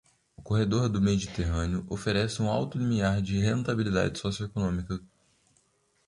O corredor do Mediterrâneo oferece um alto limiar de rentabilidade socioeconômica.